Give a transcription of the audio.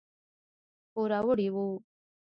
پوروړي وو.